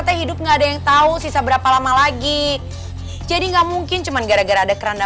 kita hidup nggak ada yang tahu sisa berapa lama lagi jadi nggak mungkin cuman gara gara ada keranda